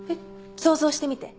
想像してみて。